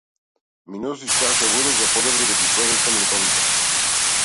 Ми носиш чаша вода за подобро да ги проголтам лековите.